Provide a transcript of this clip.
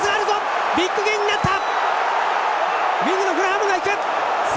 ビッグゲインになった！